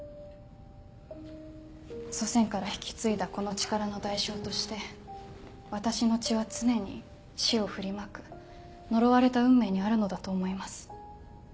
祖先から引き継いだこの力の代償として私の血は常に死を振りまく呪われた運命にあるのだと思います。